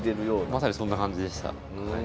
まさにそんな感じでした。